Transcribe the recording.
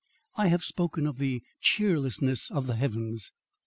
I have spoken of the cheerlessness of the heavens.